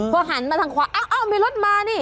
พอหันมาทางขวาอ้าวมีรถมานี่